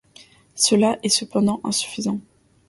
Cela est cependant insuffisant.